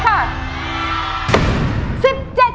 เท่ากับคะแนนร่วมน้องอายนะคะ๕๕๕คะแนนค่ะ